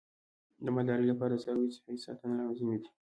د مالدارۍ لپاره د څارویو صحي ساتنه لازمي ده.